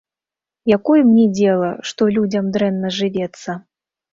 Якое мне дзела, што людзям дрэнна жывецца!